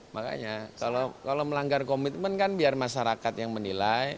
makanya kalau melanggar komitmen kan biar masyarakat yang menilai